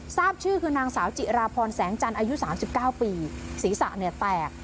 ทราบชื่อคือนางสาวจิราพรแสงจันทร์อายุ๓๙ปีศีรษะเนี่ยแตก